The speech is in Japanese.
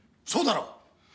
そうだろ？